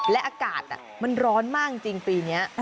และอากาศมันร้อนมากจริงปีนี้